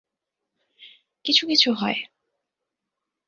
কিছু কিছু হয়।